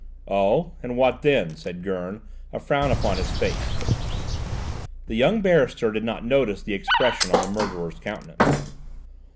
"Oh! And what then?" said Gurn, a frown upon his face. The young barrister did not notice the expression on the murderer's countenance.